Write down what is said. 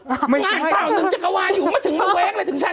อ่านก่ำหนึ่งจักรวานอยู่ไม่ถึงมาแว๊กเลย